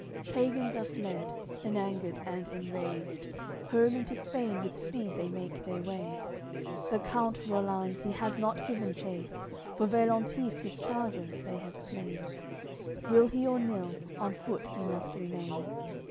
AOI. CLXI Pagans are fled, enangered and enraged, Home into Spain with speed they make their way; The count Rollanz, he has not given chase, For Veillantif, his charger, they have slain; Will he or nill, on foot he must remain.